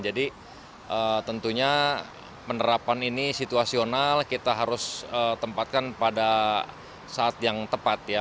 jadi tentunya penerapan ini situasional kita harus tempatkan pada saat yang tepat ya